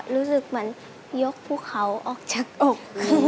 รู้สึกเหมือนยกภูเขาออกจากอก